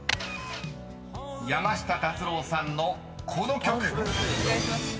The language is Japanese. ［山下達郎さんのこの曲］